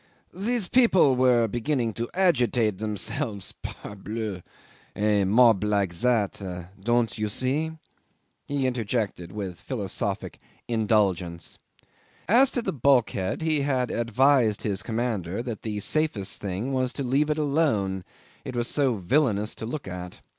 These people were beginning to agitate themselves Parbleu! A mob like that don't you see?" he interjected with philosophic indulgence. As to the bulkhead, he had advised his commander that the safest thing was to leave it alone, it was so villainous to look at.